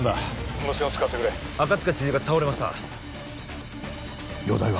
無線を使ってくれ赤塚知事が倒れました容体は？